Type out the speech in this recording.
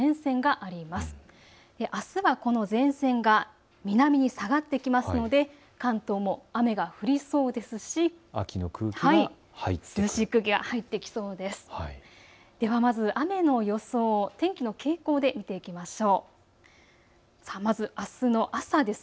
あすはこの前線が、南に下がってきますので関東も雨が降りそうですし秋の涼しい空気が入ってきそうです。